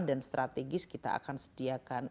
dan strategis kita akan sediakan